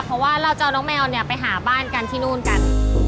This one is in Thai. เพราะว่าเราจะเอาน้องแมวเนี่ยไปหาบ้านกันที่นู่นกัน